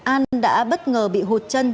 an đã bất ngờ bị hụt chân